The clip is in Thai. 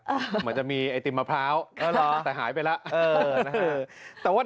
เหมือนจะมีไอศกรีมมะพร้าวเออหรอแต่หายไปแล้วเออนะฮะแต่ว่า